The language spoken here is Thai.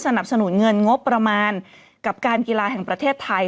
สนับสนุนเงินงบประมาณกับการกีฬาแห่งประเทศไทย